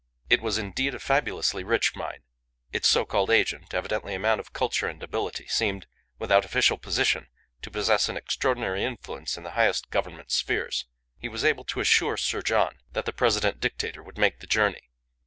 It was indeed a fabulously rich mine. Its so called agent, evidently a man of culture and ability, seemed, without official position, to possess an extraordinary influence in the highest Government spheres. He was able to assure Sir John that the President Dictator would make the journey.